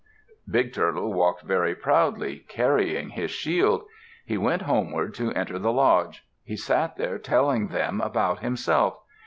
_" Big Turtle walked very proudly, carrying his shield. He went homeward to enter the lodge. He sat there telling them about himself.